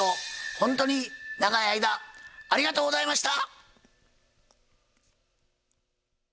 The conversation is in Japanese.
ほんとに長い間ありがとうございました。